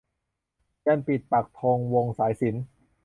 ยันต์ปิดปักธงวงสายสิญจน์